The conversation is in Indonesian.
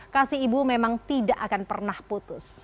kasih ibu memang tidak akan pernah putus